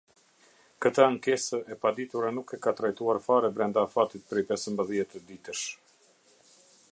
Këtë ankesë e paditura nuk e ka trajtuar fare brenda afatit prej pesëmbëdhjetë ditësh.